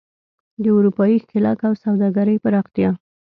د اروپايي ښکېلاک او سوداګرۍ پراختیا.